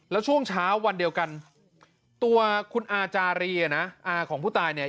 แล้วช่วงเช้าวันเดียวกันตัวคุณอาจารีอ่ะนะอาของผู้ตายเนี่ย